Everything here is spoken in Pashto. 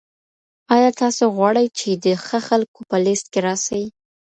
آیا تاسو غواړئ چي د ښه خلکو په لیست کي راسئ؟